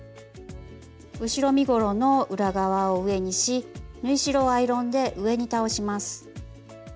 後ろ身ごろの裏側を上にし縫い代をアイロンで上に倒します。